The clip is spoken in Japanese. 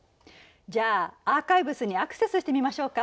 じゃあアーカイブスにアクセスしてみましょうか。